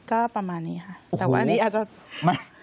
ก็ประมาณนี้ค่ะแต่ว่าอันนี้อาจจะมา